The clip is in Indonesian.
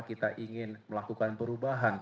kita ingin melakukan perubahan